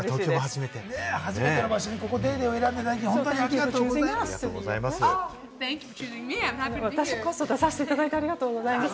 初めての場所に『ＤａｙＤａｙ．』を選んでいただき、ありがとうございます。